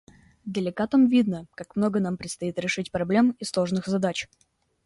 Делегатам видно, как много нам предстоит решить проблем и сложных задач.